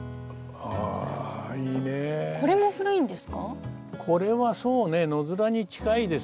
これも古いんですか。